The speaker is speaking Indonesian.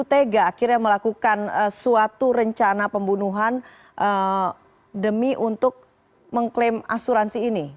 tega akhirnya melakukan suatu rencana pembunuhan demi untuk mengklaim asuransi ini